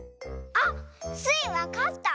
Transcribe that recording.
あっスイわかった！